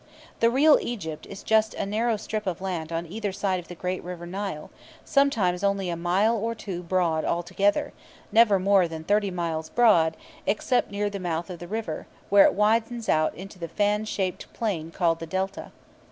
The real Egypt is just a narrow strip of land on either side of the great River Nile, sometimes only a mile or two broad altogether, never more than thirty miles broad, except near the mouth of the river, where it widens out into the fan shaped plain called the Delta.